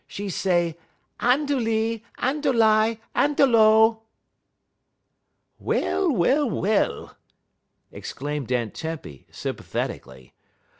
'E say: "'Andolee! Andoli! Andolo!'" "Well, well, well!" exclaimed Aunt Tempy, sympathetically.